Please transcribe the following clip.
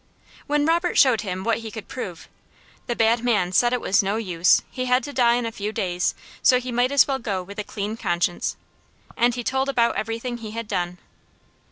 When Robert showed him what he could prove, the bad man said it was no use, he had to die in a few days, so he might as well go with a clean conscience, and he told about everything he had done.